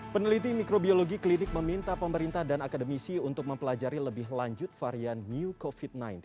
peneliti mikrobiologi klinik meminta pemerintah dan akademisi untuk mempelajari lebih lanjut varian new covid sembilan belas